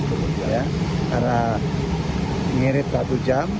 karena mirip satu jam